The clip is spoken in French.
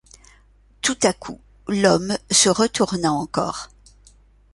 Tout à coup l’homme se retourna encore.